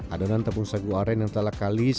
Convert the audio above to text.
adonan tepung sagu aren yang telah kalis